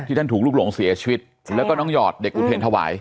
ที่ท่านถูกลูกหลงเสียชีวิตใช่ค่ะแล้วก็น้องหยอดเด็กอุทีร์ถวาย